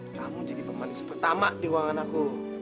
kamu jadi pembalas pertama di uanganku